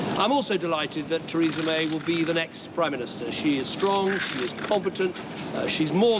เพื่อให้มีธุรกิจที่เราต้องการในปีก่อน